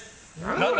何だ？